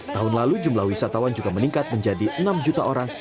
tahun lalu jumlah wisatawan juga meningkat menjadi enam juta orang